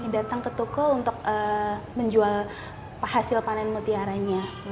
datang ke toko untuk menjual hasil panen mutiara nya